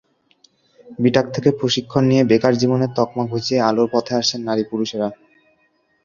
বিটাক থেকে প্রশিক্ষণ নিয়ে বেকার জীবনের তকমা ঘুচিয়ে আলোর পথে আসছেন নারী-পুরুষেরা।